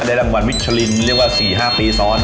รางวัลมิชลินเรียกว่า๔๕ปีซ้อน